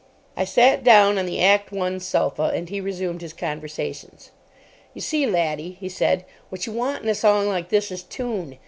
I sat down on the Act One sofa, and he resumed his conversations. "You see, laddie," he said, "what you want in a song like this is tune.